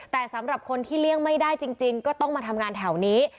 แต่สำหรับคนที่เลี่ยงไม่ได้จริงก็ต้องมาทำงานแถวนี้